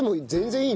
いい。